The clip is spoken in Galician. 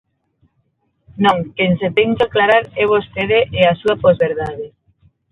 Non, quen se ten que aclarar é vostede e a súa posverdade.